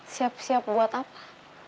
siap siap buat apa